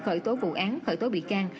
khởi tố vụ án khởi tố bị can